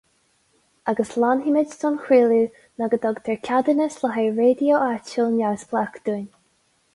Agus leanfaimid don chraoladh nó go dtugtar ceadúnas le haghaidh raidió áitiúil neamhspleách dúinn.